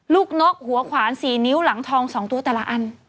นกหัวขวาน๔นิ้วหลังทอง๒ตัวแต่ละอัน